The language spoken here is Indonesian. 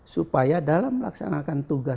supaya dalam melaksanakan tugas